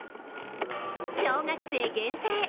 小学生限定。